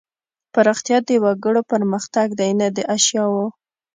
پرمختیا د وګړو پرمختګ دی نه د اشیاوو.